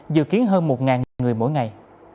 dự kiến hơn một người mỗi ngày